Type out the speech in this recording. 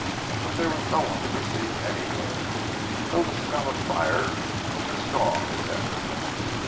But there was no one to be seen anywhere, though the smell of fire was as strong as ever.